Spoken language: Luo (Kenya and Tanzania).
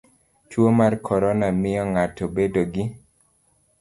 Tuo mar corona miyo ng'ato bedo gi